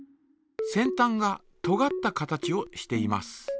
先たんがとがった形をしています。